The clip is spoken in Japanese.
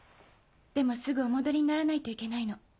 でもすぐお戻りにならないといけないの。